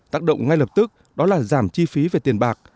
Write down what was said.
tác động ngay lập tức đó là giảm chi phí về tiền bạc